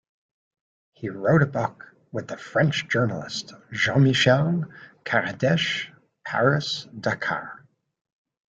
He wrote a book with the French journalist Jean-Michel Caradec'h, Paris Dakar.